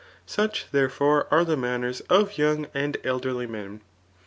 Such, therefore, are the manners of young and elderly men.